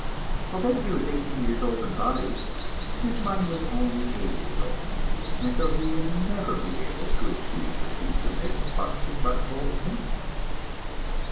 Although he was eighteen years old in body, his mind was only eight years old, and so he would never be able to achieve the feat of making buttons and buttonholes meet.